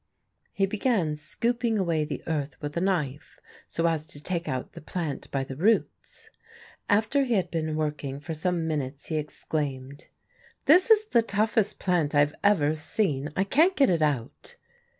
He began scooping away the earth with a knife so as to take out the plant by the roots. After he had been working for some minutes he exclaimed: "This is the toughest plant I've ever seen; I can't get it out."